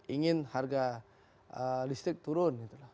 ingin harga listrik turun